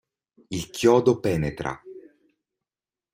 Il chiodo penetra!